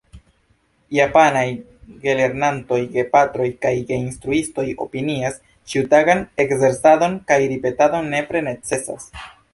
Japanaj gelernantoj, gepatroj kaj geinstruistoj opinias ĉiutagan ekzercadon kaj ripetadon nepre necesa.